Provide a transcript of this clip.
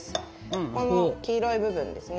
この黄色い部分ですね。